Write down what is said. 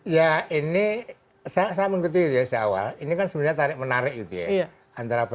ya ini saya mengikuti dari awal ini kan sebenarnya tarik menarik gitu ya